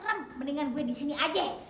ingat jangan denger gue disini aja